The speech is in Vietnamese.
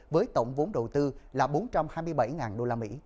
với tổng vốn đầu tư là bốn trăm hai mươi bảy usd